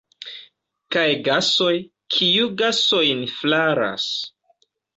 Kaj gasoj – kiu gasojn flaras?